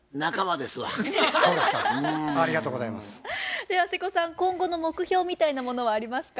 では瀬古さん今後の目標みたいなものはありますか？